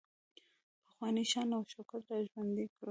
پخوانی شان او شوکت را ژوندی کړو.